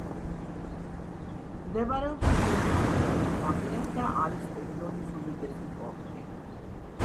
მდებარეობს ინდოეთის ოკეანის ნაპირას და არის რეგიონის უდიდესი პორტი.